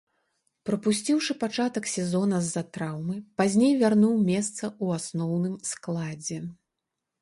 Прапусціўшы пачатак сезона з-за траўмы, пазней вярнуў месца ў асноўным складзе.